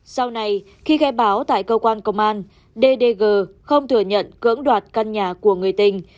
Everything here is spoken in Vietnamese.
sau này khi gây báo tại cơ quan công an d d g không thừa nhận cưỡng đoạt căn nhà của người tình